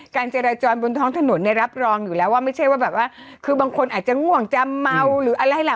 จราจรบนท้องถนนเนี่ยรับรองอยู่แล้วว่าไม่ใช่ว่าแบบว่าคือบางคนอาจจะง่วงจะเมาหรืออะไรล่ะ